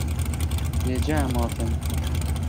"Wiedziałem o tem."